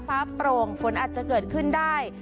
โปร่งฝนอาจจะเกิดขึ้นได้